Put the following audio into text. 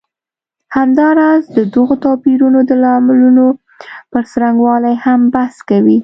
همداراز د دغو توپیرونو د لاملونو پر څرنګوالي هم بحث کوي.